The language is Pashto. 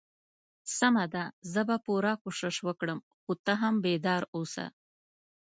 سمه ده زه به پوره کوشش وکړم خو ته هم بیدار اوسه.